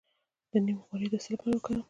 د نیم غوړي د څه لپاره وکاروم؟